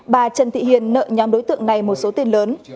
bà trần thị hiền nợ nhóm đối tượng này một số tiền lớn